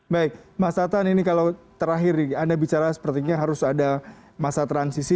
baik mas tatan ini kalau terakhir anda bicara sepertinya harus ada masa transisi